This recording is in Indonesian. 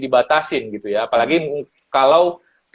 dibatasin gitu ya apalagi kalau